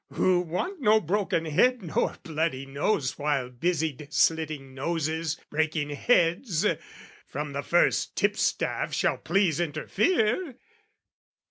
Who want no broken head nor bloody nose (While busied slitting noses, breaking heads) From the first tipstaff shall please interfere!